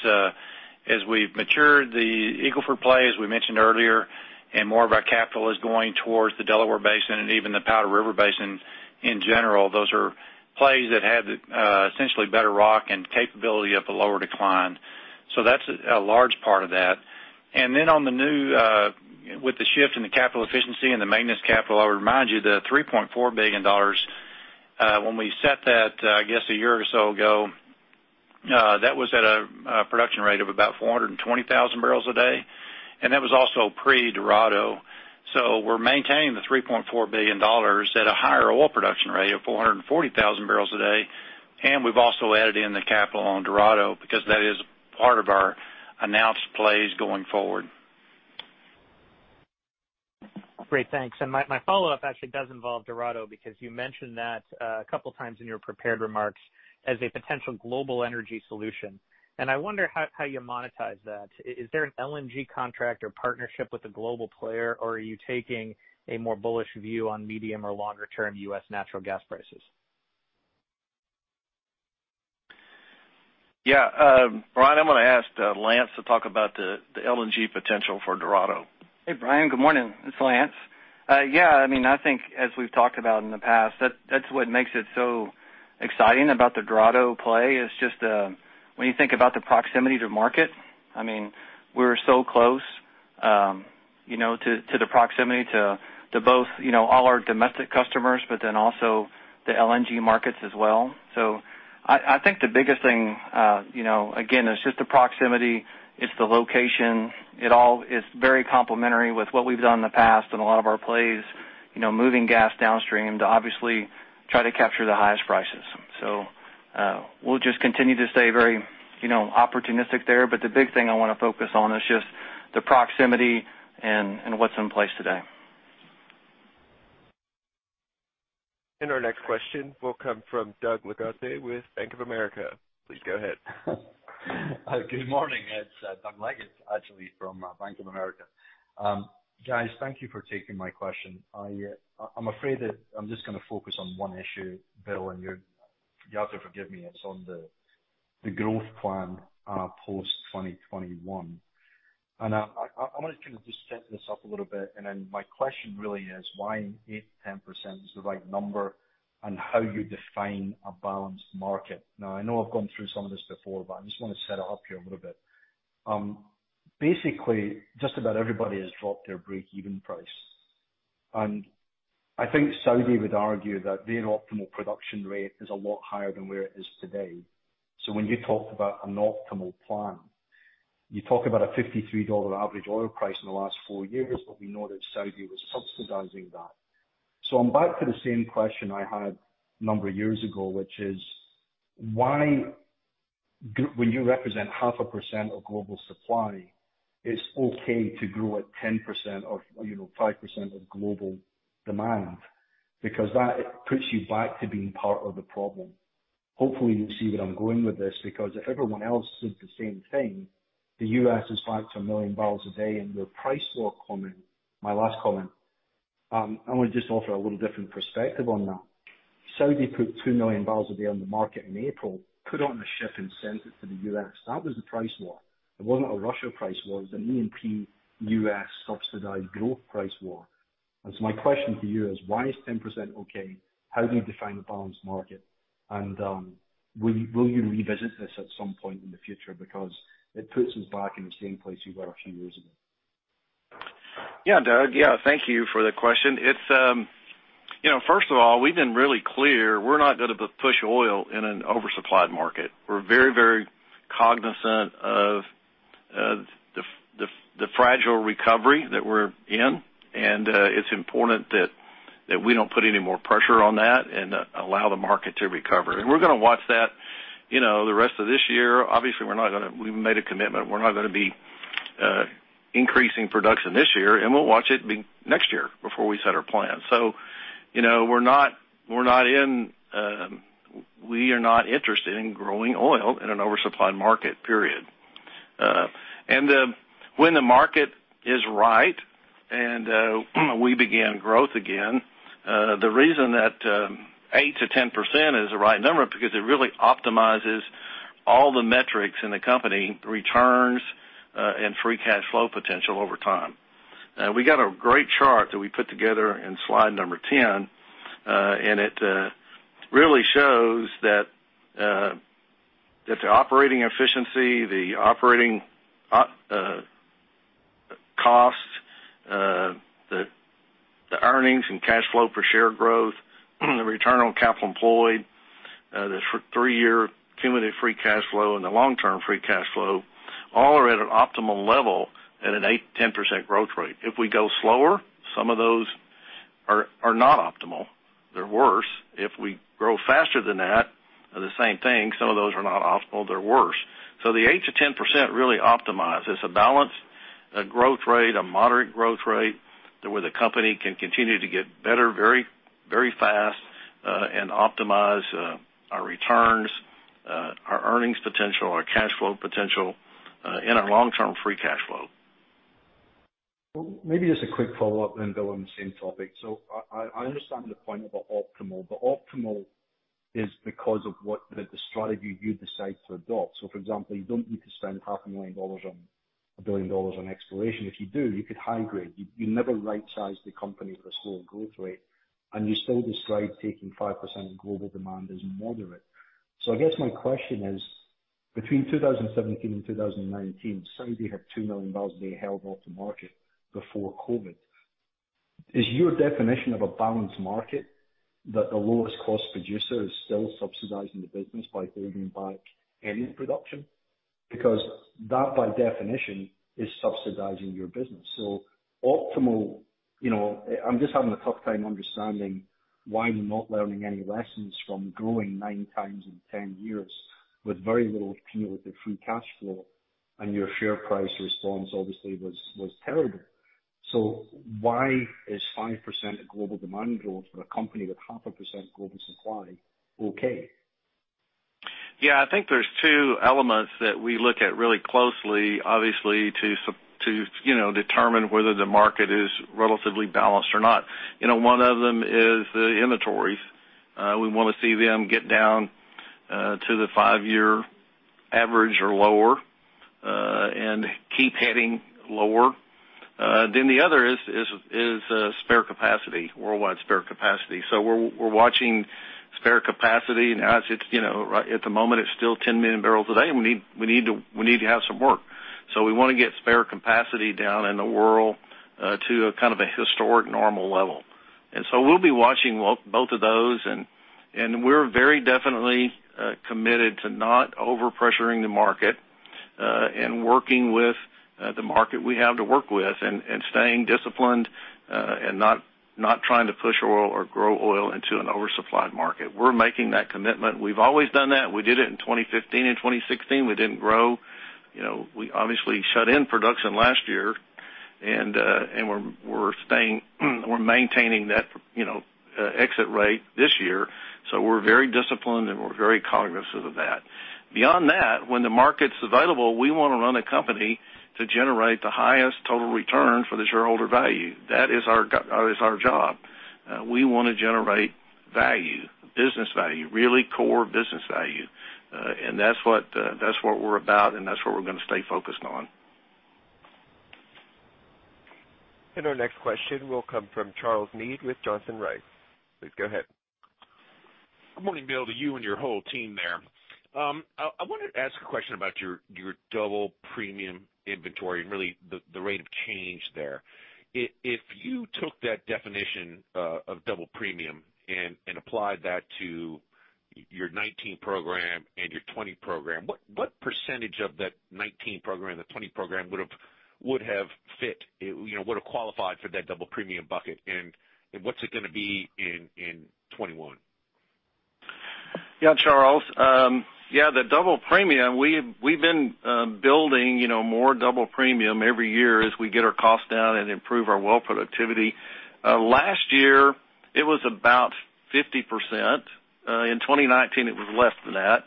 as we've matured the Eagle Ford play, as we mentioned earlier, and more of our capital is going towards the Delaware Basin and even the Powder River Basin in general, those are plays that have essentially better rock and capability of a lower decline. That's a large part of that. With the shift in the capital efficiency and the maintenance capital, I would remind you that $3.4 billion, when we set that, I guess, a year or so ago, that was at a production rate of about 420,000 bpd, and that was also pre-Dorado. We're maintaining the $3.4 billion at a higher oil production rate of 440,000 bpd, and we've also added in the capital on Dorado because that is part of our announced plays going forward. Great, thanks. My follow-up actually does involve Dorado, because you mentioned that a couple of times in your prepared remarks as a potential global energy solution, and I wonder how you monetize that. Is there an LNG contract or partnership with a global player, or are you taking a more bullish view on medium or longer term U.S. natural gas prices? Yeah. Brian, I'm going to ask Lance to talk about the LNG potential for Dorado. Hey, Brian. Good morning. It's Lance. Yeah. I think as we've talked about in the past, that's what makes it so exciting about the Dorado play, is just when you think about the proximity to market, we're so close to the proximity to both all our domestic customers, but then also the LNG markets as well. I think the biggest thing again, is just the proximity, it's the location. It all is very complementary with what we've done in the past in a lot of our plays, moving gas downstream to obviously try to capture the highest prices. We'll just continue to stay very opportunistic there. The big thing I want to focus on is just the proximity and what's in place today. Our next question will come from Doug Leggate with Bank of America. Please go ahead. Good morning. It's Doug Leggate actually from Bank of America. Guys, thank you for taking my question. I'm afraid that I'm just going to focus on one issue, Bill. You'll have to forgive me. It's on the growth plan post 2021. I want to kind of just set this up a little bit, and then my question really is why 8%-10% is the right number and how you define a balanced market. Now, I know I've gone through some of this before. I just want to set it up here a little bit. Basically, just about everybody has dropped their break-even price. I think Saudi would argue that their optimal production rate is a lot higher than where it is today. When you talked about an optimal plan, you talk about a $53 average oil price in the last four years. We know that Saudi was subsidizing that. I'm back to the same question I had a number of years ago, which is, why when you represent 0.5% of global supply, it's okay to grow at 10% or 5% of global demand? That puts you back to being part of the problem. Hopefully, you see where I'm going with this. If everyone else did the same thing, the U.S. is back to 1 MMbpd, and your price war comment. My last comment, I want to just offer a little different perspective on that. Saudi put 2 MMbpd on the market in April, put it on a ship, and sent it to the U.S. That was a price war. It wasn't a Russia price war. It was an E&P U.S. subsidized growth price war. My question to you is, why is 10% okay? How do you define a balanced market? Will you revisit this at some point in the future? It puts us back in the same place we were a few years ago. Yeah, Doug. Thank you for the question. First of all, we've been really clear, we're not going to push oil in an oversupplied market. We're very cognizant of the casual recovery that we're in, and it's important that we don't put any more pressure on that and allow the market to recover. We're going to watch that the rest of this year. Obviously, we've made a commitment. We're not going to be increasing production this year, and we'll watch it next year before we set our plan. We are not interested in growing oil in an oversupplied market, period. When the market is right and we begin growth again, the reason that 8%-10% is the right number, because it really optimizes all the metrics in the company, returns, and free cash flow potential over time. We got a great chart that we put together in slide number 10, and it really shows that the operating efficiency, the operating costs, the earnings and cash flow per share growth, the return on capital employed, the three-year cumulative free cash flow, and the long-term free cash flow all are at an optimal level at an 8%-10% growth rate. If we go slower, some of those are not optimal. They're worse. If we grow faster than that, the same thing. Some of those are not optimal. They're worse. The 8%-10% really optimizes a balanced growth rate, a moderate growth rate, to where the company can continue to get better very fast, and optimize our returns, our earnings potential, our cash flow potential, and our long-term free cash flow. Maybe just a quick follow-up, Bill, on the same topic. I understand the point about optimal is because of what the strategy you decide to adopt. For example, you don't need to spend half a million dollars on $1 billion on exploration. If you do, you could high-grade. You never right-size the company for slow growth rate, you still describe taking 5% of global demand as moderate. I guess my question is, between 2017 and 2019, suddenly you have 2 MMbpd held off to market before COVID. Is your definition of a balanced market that the lowest cost producer is still subsidizing the business by holding back any production? That, by definition, is subsidizing your business. Optimal, I am just having a tough time understanding why you are not learning any lessons from growing nine times in 10 years with very little cumulative free cash flow, and your share price response obviously was terrible. Why is 5% global demand growth for a company with 0.5% global supply okay? Yeah, I think there's two elements that we look at really closely, obviously, to determine whether the market is relatively balanced or not. One of them is the inventories. We want to see them get down to the five-year average or lower, and keep heading lower. The other is spare capacity, worldwide spare capacity. We're watching spare capacity, and at the moment, it's still 10 MMbpd, and we need to have some work. We want to get spare capacity down in the world to a kind of a historic normal level. We'll be watching both of those, and we're very definitely committed to not over-pressuring the market, and working with the market we have to work with, and staying disciplined, and not trying to push oil or grow oil into an oversupplied market. We're making that commitment. We've always done that. We did it in 2015 and 2016. We didn't grow. We obviously shut in production last year, and we're maintaining that exit rate this year. We're very disciplined and we're very cognizant of that. Beyond that, when the market's available, we want to run a company to generate the highest total return for the shareholder value. That is our job. We want to generate value, business value, really core business value. That's what we're about, and that's what we're going to stay focused on. Our next question will come from Charles Meade with Johnson Rice. Please go ahead. Good morning, Bill, to you and your whole team there. I wanted to ask a question about your double premium inventory and really the rate of change there. If you took that definition of double premium and applied that to your 2019 program and your 2020 program, what percentage of that 2019 program, the 2020 program, would have qualified for that double premium bucket? What's it going to be in 2021? Charles. The double premium, we've been building more double premium every year as we get our costs down and improve our well productivity. Last year, it was about 50%. In 2019, it was less than that.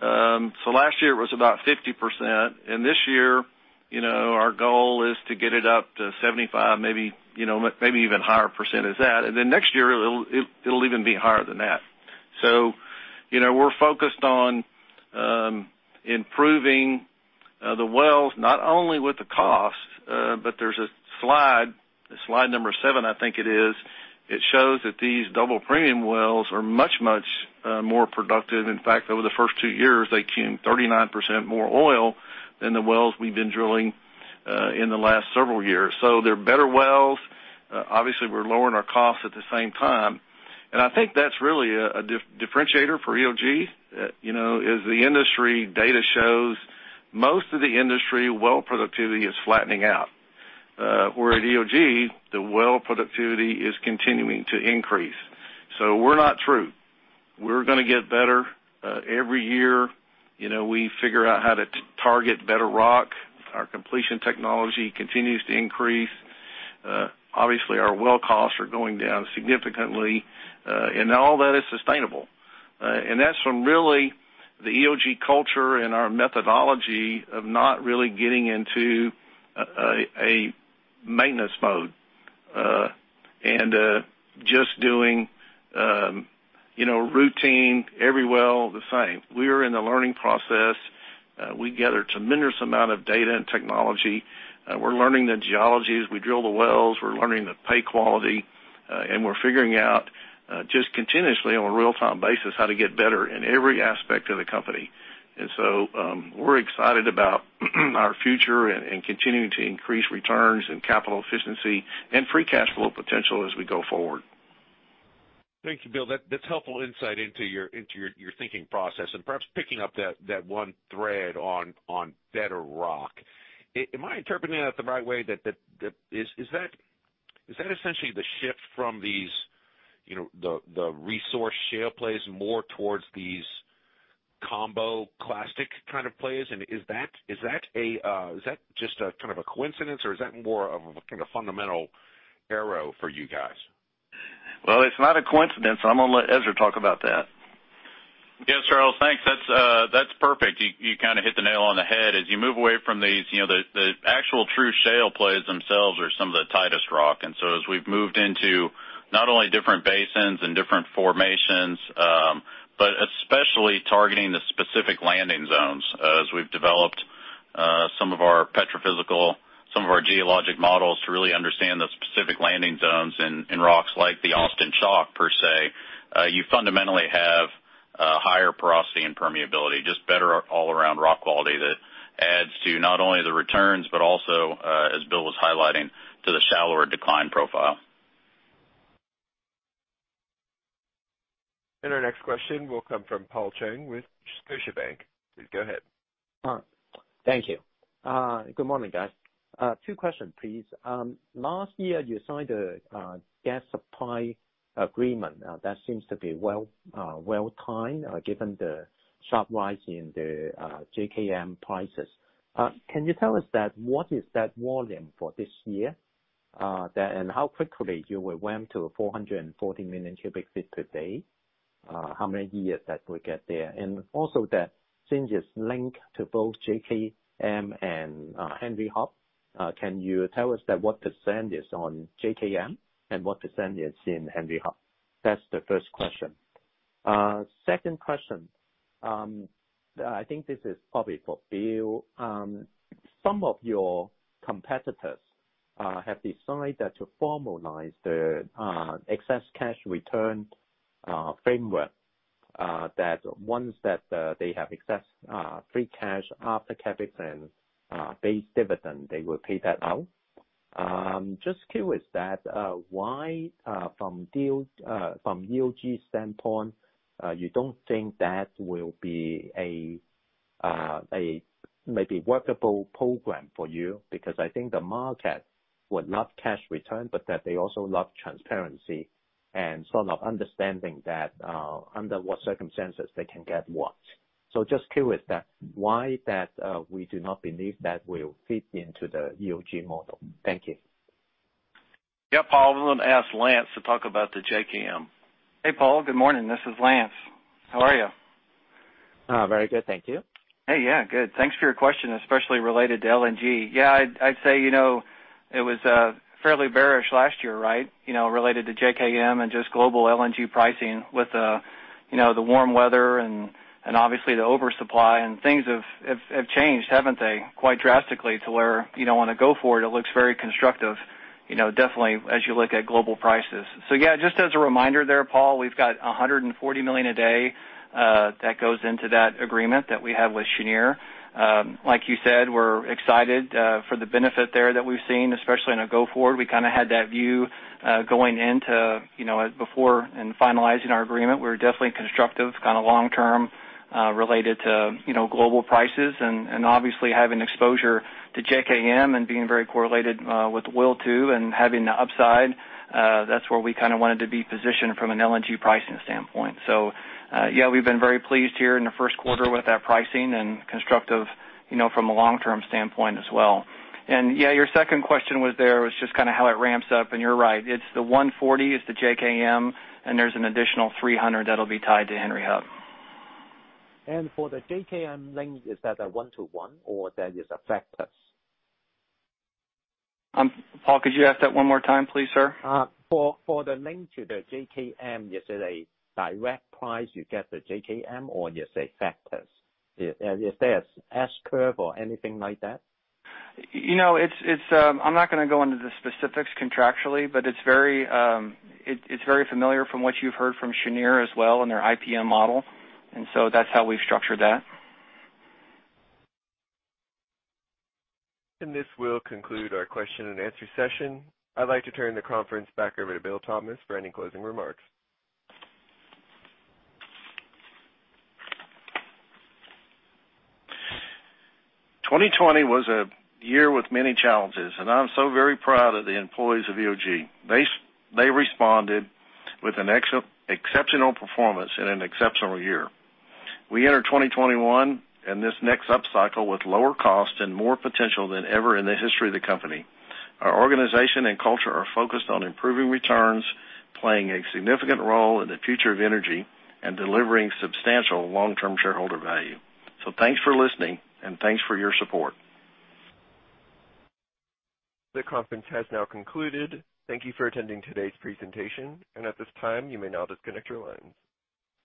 Last year it was about 50%, this year, our goal is to get it up to 75%, maybe even higher percentage than that. Next year it'll even be higher than that. We're focused on improving the wells, not only with the cost, but there's a slide number seven, I think it is. It shows that these double premium wells are much more productive. In fact, over the first two years, they came 39% more oil than the wells we've been drilling in the last several years. They're better wells. Obviously, we're lowering our costs at the same time, and I think that's really a differentiator for EOG. As the industry data shows, most of the industry well productivity is flattening out. Where at EOG, the well productivity is continuing to increase. We're not through. We're going to get better. Every year, we figure out how to target better rock. Our completion technology continues to increase. Obviously, our well costs are going down significantly, and all that is sustainable. That's from really the EOG culture and our methodology of not really getting into a maintenance mode, and just doing routine, every well the same. We are in the learning process. We gather tremendous amount of data and technology. We're learning the geologies. We drill the wells, we're learning the pay quality, and we're figuring out, just continuously on a real-time basis, how to get better in every aspect of the company. We're excited about our future and continuing to increase returns and capital efficiency and free cash flow potential as we go forward. Thank you, Bill. That's helpful insight into your thinking process. Perhaps picking up that one thread on better rock. Am I interpreting that the right way, is that essentially the shift from the resource shale plays more towards these combo clastic kind of plays? Is that just a coincidence, or is that more of a fundamental arrow for you guys? Well, it's not a coincidence. I'm going to let Ezra talk about that. Yes, Charles, thanks. That's perfect. You hit the nail on the head. As you move away from these, the actual true shale plays themselves are some of the tightest rock. As we've moved into not only different basins and different formations, but especially targeting the specific landing zones, as we've developed some of our petrophysical, some of our geologic models to really understand the specific landing zones in rocks like the Austin Chalk per se, you fundamentally have higher porosity and permeability, just better all around rock quality that adds to not only the returns, but also, as Bill was highlighting, to the shallower decline profile. Our next question will come from Paul Cheng with Scotiabank. Please go ahead. Thank you. Good morning, guys. Two questions, please. Last year, you signed a gas supply agreement that seems to be well timed, given the sharp rise in the JKM prices. Can you tell us what is that volume for this year? How quickly you will ramp to 440 million cu ft per day? How many years that will get there? Also, since it's linked to both JKM and Henry Hub, can you tell us what percent is on JKM and what percent is in Henry Hub? That's the first question. Second question, I think this is probably for Bill. Some of your competitors have decided to formalize the excess cash return framework, once they have excess free cash after CapEx and base dividend, they will pay that out. I'm just curious that why from EOG standpoint, you don't think that will be a maybe workable program for you, because I think the market would love cash return, but that they also love transparency and sort of understanding that under what circumstances they can get what. Just curious that why that we do not believe that will fit into the EOG model. Thank you. Yeah, Paul, I'm going to ask Lance to talk about the JKM. Hey, Paul. Good morning. This is Lance. How are you? Very good, thank you. Hey, yeah. Good. Thanks for your question, especially related to LNG. I'd say it was fairly bearish last year. Related to JKM and just global LNG pricing with the warm weather and obviously the oversupply, and things have changed, haven't they? Quite drastically to where on the go forward, it looks very constructive definitely as you look at global prices. Just as a reminder there, Paul, we've got 140 million a day that goes into that agreement that we have with Cheniere. Like you said, we're excited for the benefit there that we've seen, especially in a go forward. We kind of had that view going into before and finalizing our agreement. We're definitely constructive kind of long term, related to global prices and obviously having exposure to JKM and being very correlated with oil too and having the upside. That's where we kind of wanted to be positioned from an LNG pricing standpoint. Yeah, we've been very pleased here in the Q1 with that pricing and constructive from a long-term standpoint as well. Yeah, your second question was there was just how it ramps up, and you're right. It's the 140 million is the JKM, and there's an additional 300 that'll be tied to Henry Hub. For the JKM link, is that a one-to-one or there is a factor? Paul, could you ask that one more time, please, sir? For the link to the JKM, is it a direct price you get the JKM or is a factor? Is there an S-curve or anything like that? I'm not going to go into the specifics contractually, but it's very familiar from what you've heard from Cheniere as well and their IPM model, and so that's how we've structured that. This will conclude our question and answer session. I'd like to turn the conference back over to Bill Thomas for any closing remarks. 2020 was a year with many challenges, and I'm so very proud of the employees of EOG. They responded with an exceptional performance in an exceptional year. We enter 2021 and this next upcycle with lower cost and more potential than ever in the history of the company. Our organization and culture are focused on improving returns, playing a significant role in the future of energy, and delivering substantial long-term shareholder value. Thanks for listening, and thanks for your support. The conference has now concluded. Thank you for attending today's presentation, and at this time, you may now disconnect your lines.